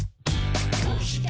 「どうして？